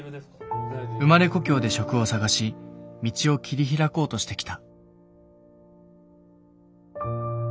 生まれ故郷で職を探し道を切り開こうとしてきた。